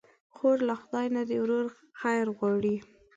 خور له خدای نه د ورور خیر غواړي.